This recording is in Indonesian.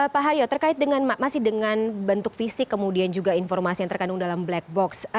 pak haryo terkait dengan masih dengan bentuk fisik kemudian juga informasi yang terkandung dalam black box